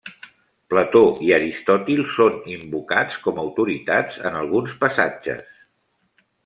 Plató i Aristòtil són invocats com a autoritats en alguns passatges.